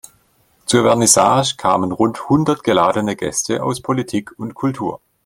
Zur Vernissage kamen rund hundert geladene Gäste aus Politik und Kultur.